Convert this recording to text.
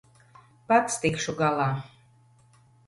Pats tikšu galā.